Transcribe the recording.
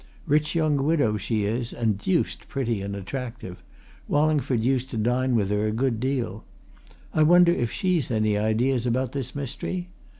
Rich young widow, she is, and deuced pretty and attractive Wallingford used to dine with her a good deal. I wonder if she's any ideas about this mystery?